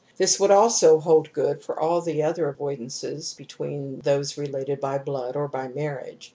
This would also hold good for all the other avoidances between those related by blood or by marriage.